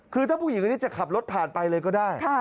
คือถ้าผู้หญิงคนนี้จะขับรถผ่านไปเลยก็ได้